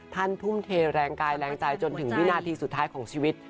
ทุ่มเทแรงกายแรงใจจนถึงวินาทีสุดท้ายของชีวิต